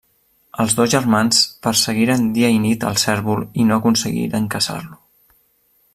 Els dos germans perseguiren dia i nit el cérvol i no aconseguiren caçar-lo.